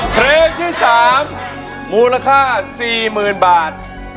เพลงที่สามมูลค่าสี่หมื่นบาท